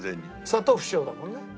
砂糖不使用だもんね。